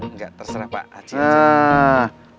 nggak terserah pak haji haji